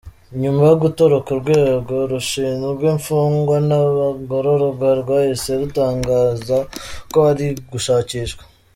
Nyuma yo gutoroka Urwego Rushinzwe Imfungwa n’Abagororwa rwahise rutangaza ko ari gushakishwa.